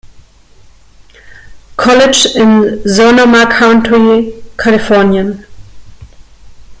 College in Sonoma Country, Kalifornien.